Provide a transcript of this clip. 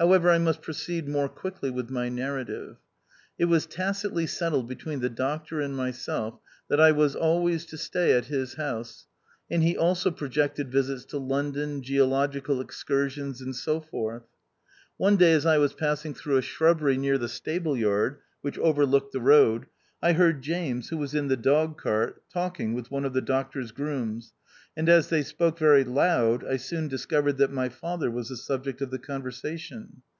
However, I must proceed more quickly with my narrative. It was tacitly settled between the doctor and myself, that I was always to stay at his house, and he also pro jected visits to London, geological excursions, and so forth. One day as I was passing through a shrubbery near the stable yard (which overlooked the road), I heard James, who was in the dog cart, talking, with one of the doctor's grooms, and as they spoke very loud, I soon discovered that my father was the subject of the conversation.